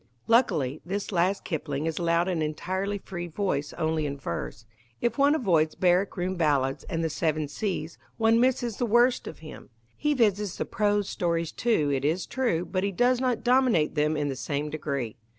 Luckily, this last Kipling is allowed an entirely free voice only in verse. If one avoids Barrack Room Ballads and The Seven Seas, one misses the worst of him. He visits the prose stories, too, it is true, but he does not dominate them in the same degree.